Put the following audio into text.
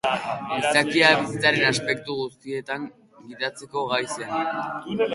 Gizakia bizitzaren aspektu guztietan gidatzeko gai ziren.